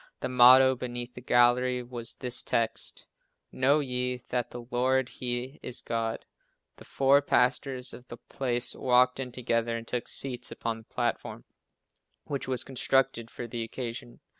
The motto, beneath the gallery, was this text: "Know ye that the Lord He is God." The four pastors of the place walked in together and took seats upon the platform, which was constructed for the occasion.